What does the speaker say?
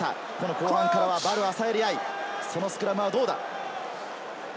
後半からはヴァル・アサエリ愛、そのスクラムはどうだ。